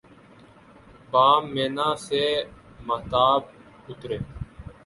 بام مینا سے ماہتاب اترے